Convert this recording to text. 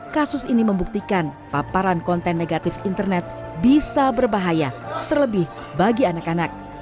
kasus ini membuktikan paparan konten negatif internet bisa berbahaya terlebih bagi anak anak